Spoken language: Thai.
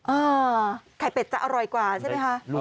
ไข่เป็ดจะอร่อยกว่าใช่ไหมคะ